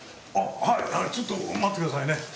あっはいちょっと待ってくださいね。